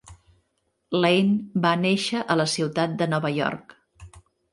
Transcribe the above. Lane va néixer a la ciutat de Nova York.